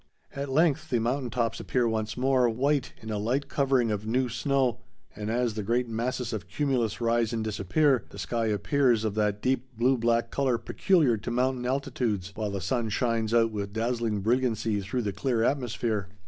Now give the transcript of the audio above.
At length the mountain tops appear once more, white in a light covering of new snow, and, as the great masses of cumulus rise and disappear the sky appears of that deep blue black color peculiar to mountain altitudes, while the sun shines out with dazzling brilliancy through the clear atmosphere.